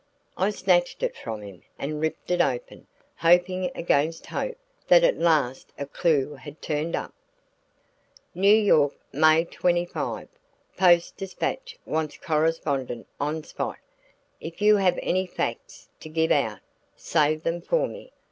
I snatched it from him and ripped it open, hoping against hope that at last a clue had turned up. "NEW YORK, May 25. "Post Dispatch wants correspondent on spot. If you have any facts to give out, save them for me.